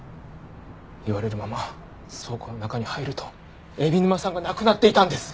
言われるまま倉庫の中に入ると海老沼さんが亡くなっていたんです！